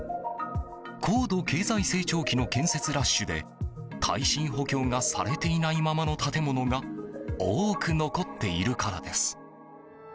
高度経済成長期の建設ラッシュで耐震補強がされていないままの建物が多く残っているからです。